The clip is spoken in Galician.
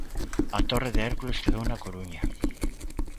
A Torre de Hércules quedou na Coruña.